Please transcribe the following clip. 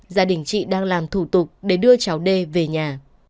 gia đình chị đang làm thủ tục để đưa cháu đê về nhà